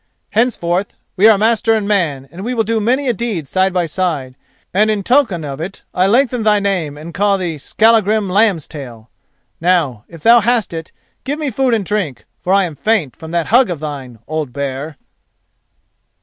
Henceforth, we are master and man and we will do many a deed side by side, and in token of it I lengthen thy name and call thee Skallagrim Lambstail. Now, if thou hast it, give me food and drink, for I am faint from that hug of thine, old bear."